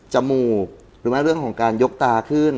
มูกหรือว่าเรื่องของการยกตาขึ้น